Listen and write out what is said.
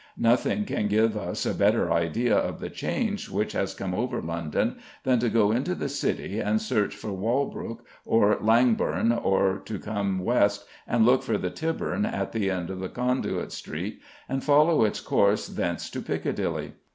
Nothing can give us a better idea of the change which has come over London than to go into the City and search for Walbrook or Langbourne, or to come west and look for the Tybourne at the end of Conduit Street and follow its course thence to Piccadilly.